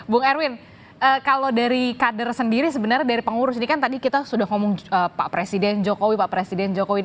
bung erwin kalau dari kader sendiri sebenarnya dari pengurus ini kan tadi kita sudah ngomong pak presiden jokowi pak presiden jokowi